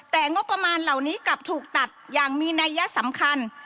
แต่งบประมาณเหล่านี้กลับถูกตัดอย่างมีนัยยะสำคัญ